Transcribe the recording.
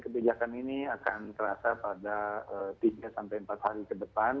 kebijakan ini akan terasa pada tiga sampai empat hari ke depan